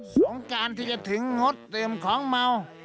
ของการที่จะถึงงดเตรียมของเมา